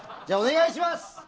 じゃあお願いします。